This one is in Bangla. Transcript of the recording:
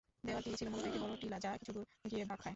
দেয়ালটি ছিল মূলত একটি বড় টিলা, যা কিছুদুর গিয়ে বাক খায়।